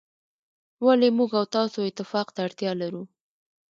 ولي موږ او تاسو اتفاق ته اړتیا لرو.